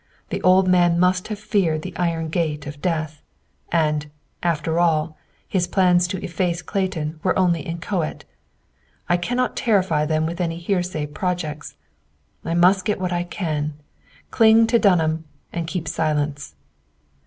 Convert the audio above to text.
The old man must have feared the 'Iron Gate' of Death! And, after all, his plans to 'efface' Clayton were only inchoate. I cannot terrify them with any hearsay projects. I must get what I can, cling to Dunham, and keep silence.